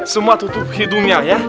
semua tutup hidungnya ya